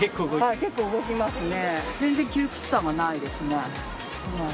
はい結構動きますね。